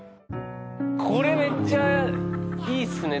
これめっちゃいいっすね。